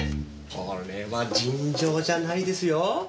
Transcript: これは尋常じゃないですよ！